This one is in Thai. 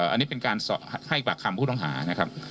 อันนี้เป็นการให้ปากคำผู้ต้องหานะครับ